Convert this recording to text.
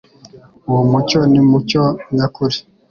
Uwo mucyo ni wo mucyo nyakuri;